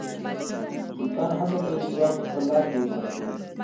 سلطان هڅه کوي چې واک په خپل لاس کې وساتي.